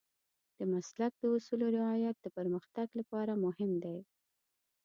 د مسلک د اصولو رعایت د پرمختګ لپاره مهم دی.